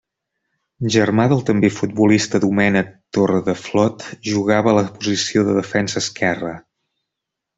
Germà del també futbolista Domènec Torredeflot, jugava a la posició de defensa esquerre.